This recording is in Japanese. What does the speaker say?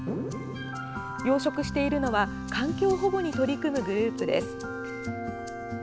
養殖しているのは環境保護に取り組むグループです。